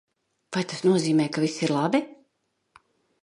Vai tas nozīmē, ka viss ir labi?